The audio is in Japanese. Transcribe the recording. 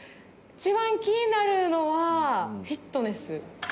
一番気になるのはフィットネス。